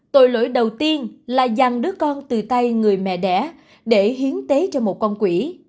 tội lỗi đầu tiên là dàn đứa con từ tay người mẹ đẻ để hiến tế cho một con quỹ